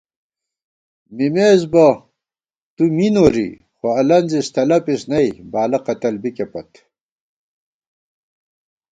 مِمېس بہ تُو می نوری خو الَنزِس تلَپِس نئ، بالہ قتل بِکےپت